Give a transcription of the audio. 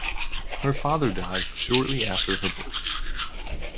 Her father died shortly after her birth.